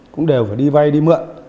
cũng đều phải đi vay đi mơ